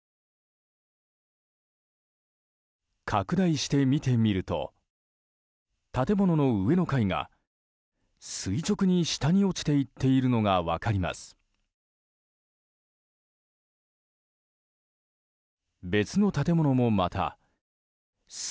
拡大して見てみると建物の上の階が垂直に下に落ちていっているのが分かります。